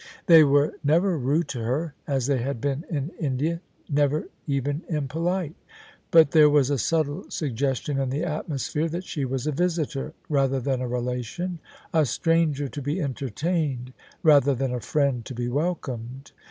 They were never rude to her, as they had been in India — ^never even impolite: but there was a subtle sug gestion in the atmosphere that she was a visitor rather than a relation — a. stranger to be entertained rather than a friend to be welcomed.